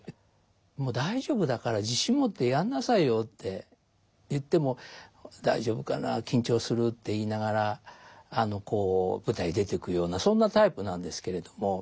「もう大丈夫だから自信持ってやんなさいよ」って言っても「大丈夫かな？緊張する」って言いながらこう舞台出ていくようなそんなタイプなんですけれども。